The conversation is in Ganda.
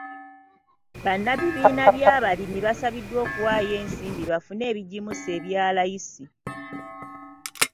Bannabibiina by'abalimi basabiddwa okuwayo ensimbi bafune ebigimusa ebya layisi.